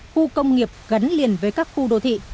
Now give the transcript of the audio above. khu công nghiệp gắn liền với các khu đô thị